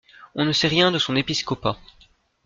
On ne sait rien de son épiscopat.